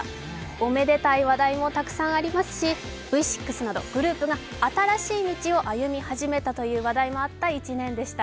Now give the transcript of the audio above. おめでたい話題もたくさんありますしＶ６などグループが新しい道を歩み始めたという話題もあた一年でした。